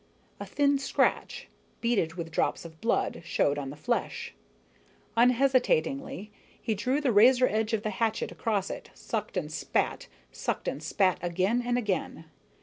A thin scratch, beaded with drops of blood, showed on the flesh. Unhesitatingly, he drew the razor edge of the hatchet across it, sucked and spat, sucked and spat again and again.